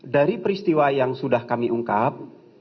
dari peristiwa yang sudah kami ungkap